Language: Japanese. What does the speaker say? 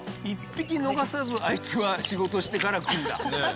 一匹逃さずあいつは仕事してからくるんだ。